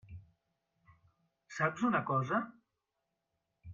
Saps una cosa?